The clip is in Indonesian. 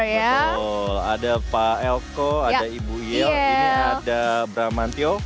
betul ada pak elko ada ibu yel ini ada bramantio